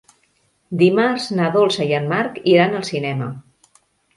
Dimarts na Dolça i en Marc iran al cinema.